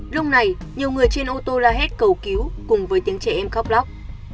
lúc này nhiều người trên ô tô la hét cầu cứu cùng với tiếng trẻ em khóc lóc